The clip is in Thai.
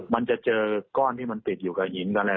มันจะเจอก้อนที่มันติดอยู่กับหินกับอะไร